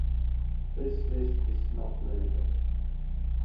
This list is not limited.